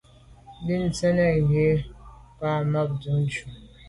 Bín tsín nə̀ ngə́ kwâ’ mbâdə́ cú.